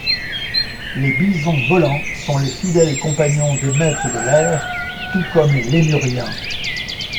Les Bisons-volants sont les fidèles compagnons des maîtres de l'air, tout comme les Lémuriens.